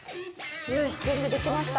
よし、準備できました。